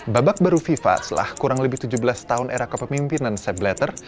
babak baru fifa setelah kurang lebih tujuh belas tahun era kepemimpinan sabletter